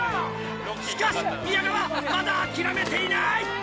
しかし宮川まだ諦めていない！